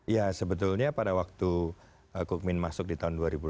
ya sebetulnya pada waktu kukmin masuk di tahun dua ribu lima belas